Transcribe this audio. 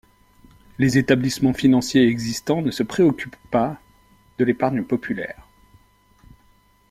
Les établissements financiers existants ne se préoccupent pas de l'épargne populaire.